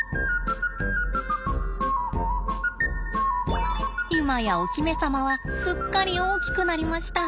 今やお姫様はすっかり大きくなりました。